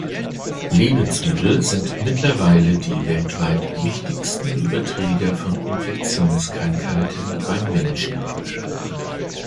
Lebensmittel sind mittlerweile die weltweit wichtigsten Überträger von Infektionskrankheiten beim Menschen.